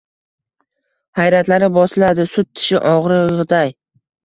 hayratlari bosiladi sut tishi ogʼrigʼiday –